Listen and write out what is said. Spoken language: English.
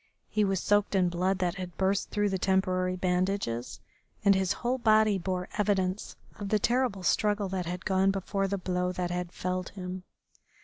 He was soaked in blood that had burst through the temporary bandages, and his whole body bore evidence of the terrible struggle that had gone before the blow that had felled him.